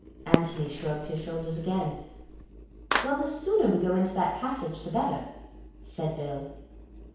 Antony shrugged his shoulders again. "Well, the sooner we go into that passage, the better," said Bill.